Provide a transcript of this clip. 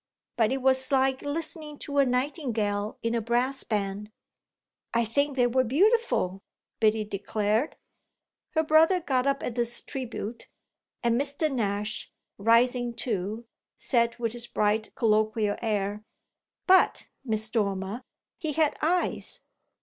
But it was like listening to a nightingale in a brass band." "I think they were beautiful," Biddy declared. Her brother got up at this tribute, and Mr. Nash, rising too, said with his bright colloquial air: "But, Miss Dormer, he had eyes.